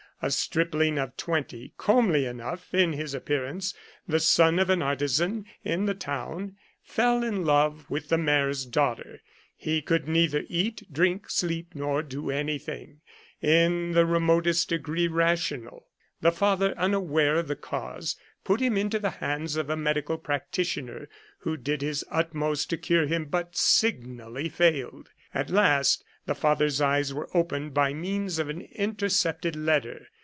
A stripling of twenty, comely enough in his appear ance, the son of an artisan in the town, fell in love with the mayor's daughter. He could neither eat, drink, sleep, nor do anything in the remotest degree rational. The father, unaware of the cause, put him into the hands of a medical practitioner, who did his utmost to cure him, but signally failed. At last the father's eyes were opened by means of an intercepted letter.